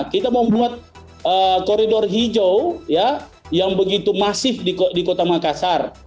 kita membuat koridor hijau yang begitu masif di kota makassar